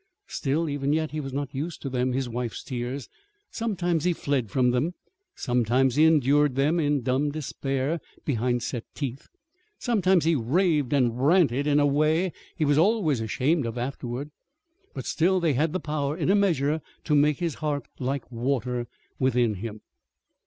Still, even yet, he was not used to them his wife's tears. Sometimes he fled from them; sometimes he endured them in dumb despair behind set teeth; sometimes he raved and ranted in a way he was always ashamed of afterwards. But still they had the power, in a measure, to make his heart like water within him.